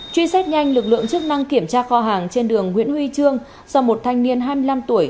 truy xét nhanh lực lượng chức năng kiểm tra kho hàng trên đường nguyễn huy trương do một thanh niên hai mươi năm tuổi